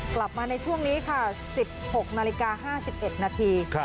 กลับมาในช่วงนี้ค่ะ๑๖นาฬิกา๕๑นาที